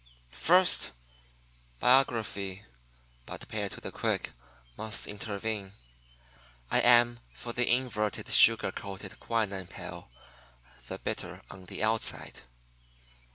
First, biography (but pared to the quick) must intervene. I am for the inverted sugar coated quinine pill the bitter on the outside.